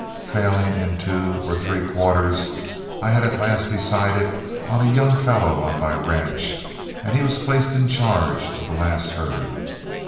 Failing in two or three quarters, I at last decided on a young fellow on my ranch, and he was placed in charge of the last herd.